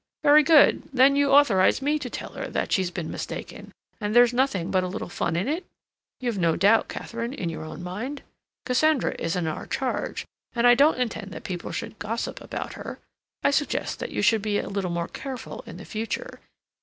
"Very good. Then you authorize me to tell her that she's been mistaken, and there was nothing but a little fun in it? You've no doubt, Katharine, in your own mind? Cassandra is in our charge, and I don't intend that people should gossip about her. I suggest that you should be a little more careful in future.